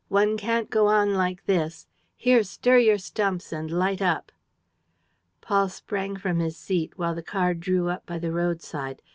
One can't go on like this. ... Here, stir your stumps and light up." Paul sprang from his seat, while the car drew up by the road side.